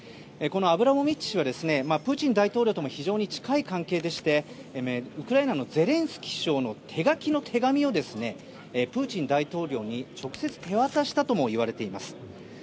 このアブラモビッチ氏はプーチン大統領とも非常に近い関係でしてウクライナのゼレンスキー氏の手書きの手紙をプーチン大統領に直接手渡したともいわれています。